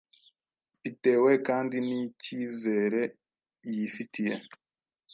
bitewe kandi ni icyizere yifitiye.